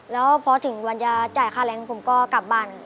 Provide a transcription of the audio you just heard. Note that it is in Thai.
แล้วพอถึงวันจะจ่ายค่าแรงผมก็กลับบ้าน